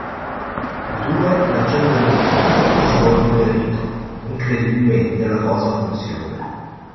I due raggiungono il picco e svolgono il rito: incredibilmente la cosa funziona.